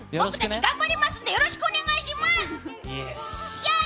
僕たち頑張りますのでよろしくお願いします！